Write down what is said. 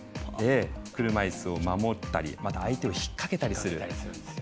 車いすを守ったり相手を引っ掛けたりするんですよ。